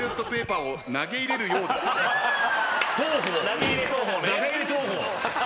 投げ入れ投法ね。